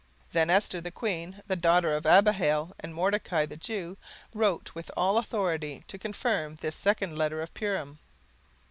17:009:029 Then Esther the queen, the daughter of Abihail, and Mordecai the Jew, wrote with all authority, to confirm this second letter of Purim.